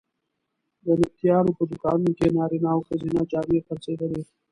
د نبطیانو په دوکانونو کې نارینه او ښځینه جامې خرڅېدلې.